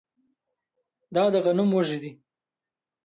دا د غنم وږی دی